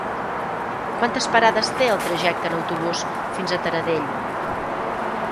Quantes parades té el trajecte en autobús fins a Taradell?